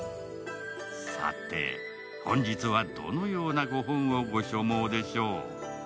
さて、本日はどのようなご本をご所望でしょう？